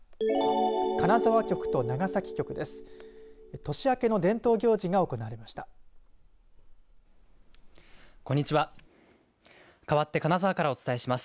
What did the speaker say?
金沢局と長崎局です。